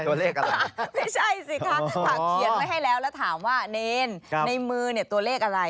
ไม่ใช่สิครับถ้าเขียนไว้ให้แล้วแล้วถามว่าเนรนในมือตัวเลขอะไร